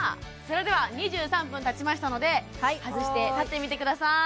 それでは２３分たちましたので外して立ってみてください